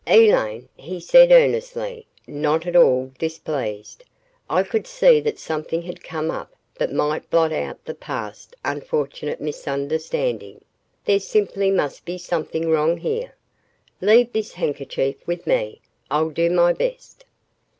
"Elaine," he said earnestly, not at all displeased, I could see that something had come up that might blot out the past unfortunate misunderstanding, "there simply must be something wrong here. Leave this handkerchief with me. I'll do my best."